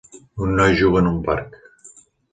Un noi juga en un parc.